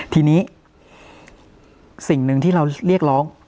ทีนี้สิ่งหนึ่งที่เราเรียกร้อง